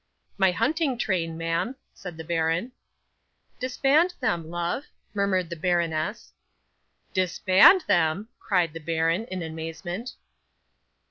'"My hunting train, ma'am," said the baron. '"Disband them, love," murmured the baroness. '"Disband them!" cried the baron, in amazement.